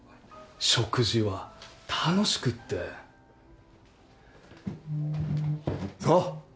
「食事は楽しく」って。さあ。